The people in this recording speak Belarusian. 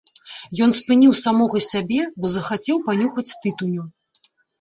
Ён спыніў самога сябе, бо захацеў панюхаць тытуню.